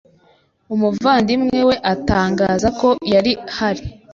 Umuvandimwe we atangaza ko yari hari